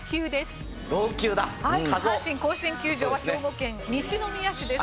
阪神甲子園球場は兵庫県西宮市です。